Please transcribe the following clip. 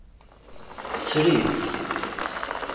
Tter-it.